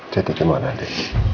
jadi gimana ndi